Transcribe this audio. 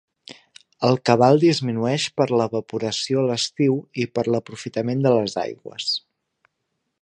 El cabal disminueix per l'evaporació a l'estiu i per l'aprofitament de les aigües.